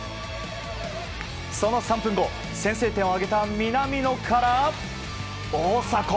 その３分後先制点を挙げた南野から大迫。